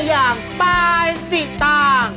อย่างปลายสีตาง